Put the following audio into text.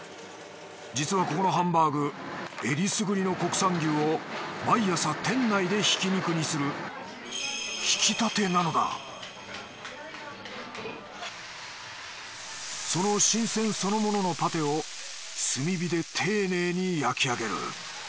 実はここのハンバーグ選りすぐりの国産牛を毎朝店内で挽肉にする挽きたてなのだその新鮮そのもののパテを炭火で丁寧に焼きあげる。